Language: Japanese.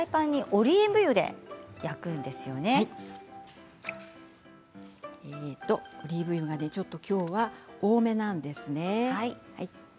オリーブ油がちょっときょうは多めなんですね。